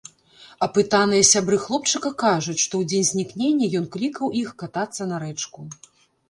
Апытаныя сябры хлопчыка кажуць, што ў дзень знікнення ён клікаў іх катацца на рэчку.